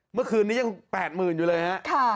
เมื่อคืนนี้ยัง๘หมื่นอยู่เลยนะฮะ